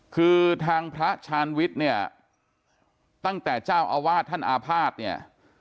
คือทางพระชาญวิทย์เนี่ยตั้งแต่เจ้าอาวาสท่านอาภาษณ์เนี่ย